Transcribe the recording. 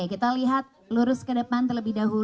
kita lihat lurus ke depan terlebih dahulu